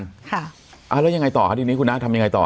ค่ะอ่าแล้วยังไงต่อครับทีนี้คุณน้าทำยังไงต่อ